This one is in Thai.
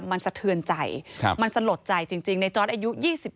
มันสะเทือนใจมันสลดใจจริงในจอร์ดอายุ๒๓